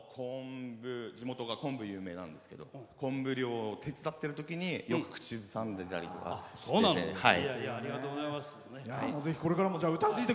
地元が昆布、有名なんですけど昆布漁を手伝ってるときによく口ずさんだりしていて。